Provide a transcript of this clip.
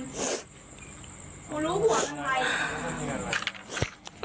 กูรู้หัวกันไง